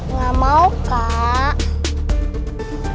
nggak mau kak